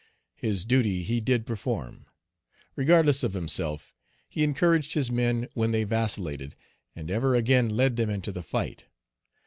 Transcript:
His duty he did perform. Regardless of himself, he encouraged his men when they vacillated, and ever again led them into the fight.